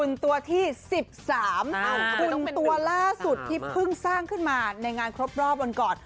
คุณตัวที่๑๓หุ่นตัวล่าสุดที่เพิ่งสร้างขึ้นมาในงานครบรอบวันก่อน